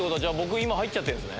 今、入っちゃってるんですね。